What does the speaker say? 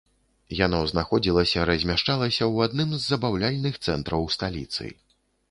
Яно знаходзілася размяшчалася ў адным з забаўляльных цэнтраў сталіцы.